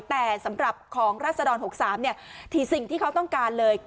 แต่สำหรับของราศดร๖๓สิ่งที่เขาต้องการเลย